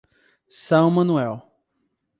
São Manuel